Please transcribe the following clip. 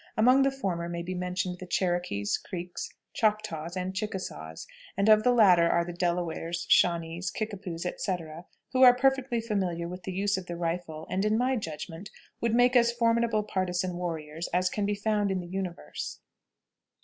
Among the former may be mentioned the Cherokees, Creeks, Choctaws, and Chickasaws, and of the latter are the Delawares, Shawnees, Kickapoos, etc., who are perfectly familiar with the use of the rifle, and, in my judgment, would make as formidable partisan warriors as can be found in the universe.